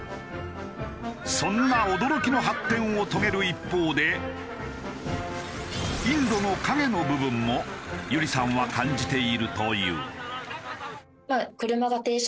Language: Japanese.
そんな驚きの発展を遂げる一方でインドの影の部分もＹＵＲＩさんは感じているという。